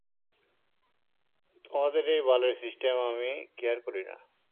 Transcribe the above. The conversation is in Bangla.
তোমাদের এই বালের সিস্টেম আমি কেয়ার করি না!